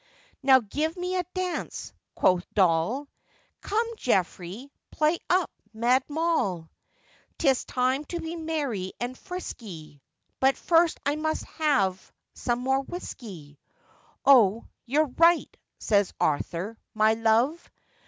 'Now give me a dance,' quoth Doll, 'Come, Jeffrery, play up Mad Moll, 'Tis time to be merry and frisky,— But first I must have some more whiskey.' 'Oh! you're right,' says Arthur, 'my love!